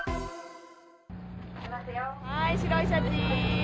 はーい、白いシャチ。